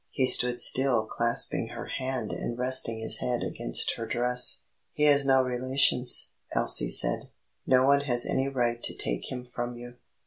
He still stood clasping her hand and resting his head against her dress. "He has no relations," Elsie said. "No one has any right to take him from you."